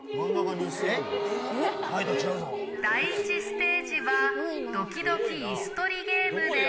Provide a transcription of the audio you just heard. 第１ステージは、ドキドキ椅子取りゲームです。